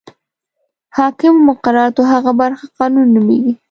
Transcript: حاکمو مقرراتو هغه برخه قانون نومیږي.